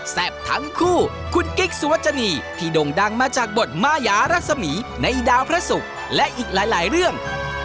ทั้งคู่คุณกิ๊กสุวจนีที่ด่งดังมาจากบทมายารัศมีในดาวพระศุกร์และอีกหลายเรื่อง